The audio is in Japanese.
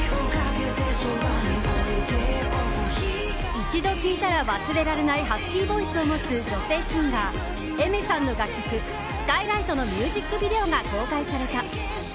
一度聴いたら忘れられないハスキーボイスを持つ女性シンガーＡｉｍｅｒさんの楽曲「ＳＫＹＬＩＧＨＴ」のミュージックビデオが公開された。